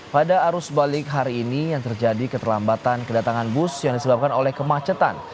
pada arus balik hari ini yang terjadi keterlambatan kedatangan bus yang disebabkan oleh kemacetan